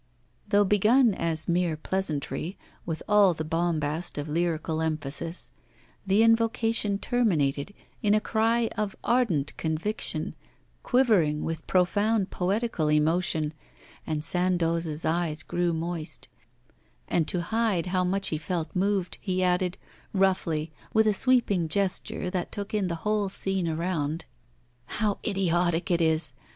Though begun as mere pleasantry, with all the bombast of lyrical emphasis, the invocation terminated in a cry of ardent conviction, quivering with profound poetical emotion, and Sandoz's eyes grew moist; and, to hide how much he felt moved, he added, roughly, with a sweeping gesture that took in the whole scene around: 'How idiotic it is!